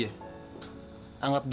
ya terus raja